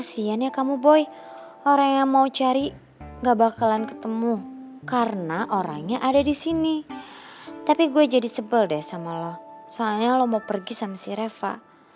sama lo soalnya lo mau pergi sama si reva